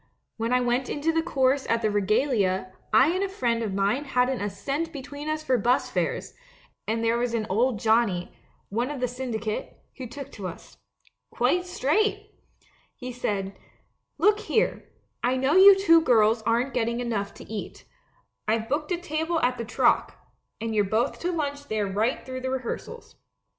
When I went into the chorus at the Regalia, I and a friend of mine hadn't a cent between us for bus fares ; and there was an old Johnnie — one of the syndicate — who took to us. Quite straight! He said, "Look here, I know you two girls aren't getting enough to eat; I've booked a table at the Troc, and you're both to lunch there right through the rehearsals.